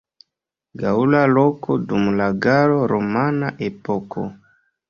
Gaŭla loko dum la galo-romana epoko.